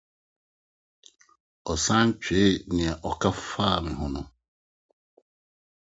Ɔsan twee nea ɔka faa me ho no.